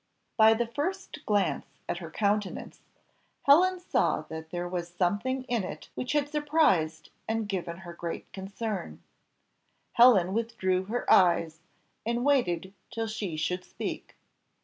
By the first glance at her countenance, Helen saw that there was something in it which had surprised and given her great concern. Helen withdrew her eyes, and waited till she should speak.